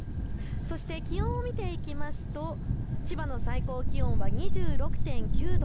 そして気温を見ていきますと千葉の最高気温は２６．９度。